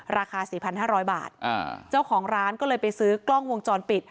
ราคาสี่พันห้าร้อยบาทอ่าเจ้าของร้านก็เลยไปซื้อกล้องวงจรปิด